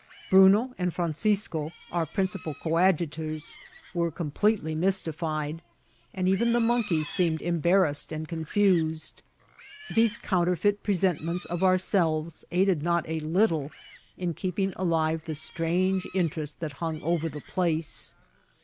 Bnoo and Francisco, our principal coadjutors, were eompfetely mystified, and even the monkeys seemed embarrassed and confiuied; these counterfeit presMit nmts of ourselves aided not alittle in keeping alive the strange interest that hung over the place.